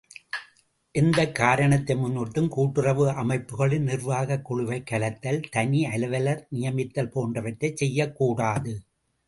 எந்தக் காரணத்தை முன்னிட்டும் கூட்டுறவு அமைப்புகளின் நிர்வாகக் குழுவைக் கலைத்தல் தனி அலுவலர் நியமித்தல் போன்றவற்றைச் செய்யக்கூடாது.